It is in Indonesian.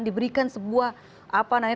diberikan sebuah apa namanya